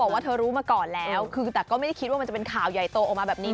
ว่าเธอรู้มาก่อนแล้วคือแต่ก็ไม่ได้คิดว่ามันจะเป็นข่าวใหญ่โตออกมาแบบนี้